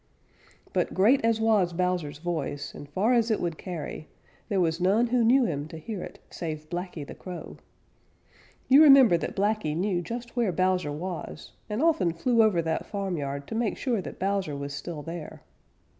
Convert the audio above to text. But great as was Bowser's voice, and far as it would carry, there was none who knew him to hear it, save Blacky the Crow. You remember that Blacky knew just where Bowser was and often flew over that farmyard to make sure that Bowser was still there.